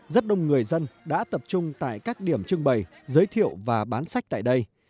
rất đông người dân đã tập trung tại các điểm trưng bày giới thiệu và bán sách tại đây